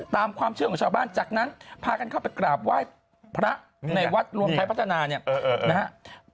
ตามความเชื่อของชาวบ้านจากนั้นพากันเข้าไปกราบไหว้พระในวัดรวมไทยพัฒนาเนี่ยนะฮะ